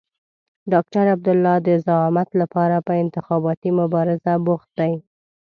ډاکټر عبدالله د زعامت لپاره په انتخاباتي مبارزه بوخت دی.